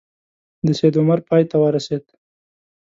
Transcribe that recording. د سید عمر پای ته ورسېد.